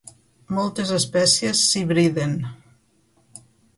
Moltes espècies s'hibriden.